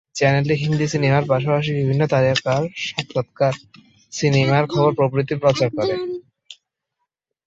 চ্যানেলটি হিন্দি সিনেমার পাশাপাশি বিভিন্ন তারকার সাক্ষাৎকার, সিনেমার খবর প্রভৃতি প্রচার করে।